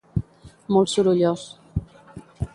Molt sorollós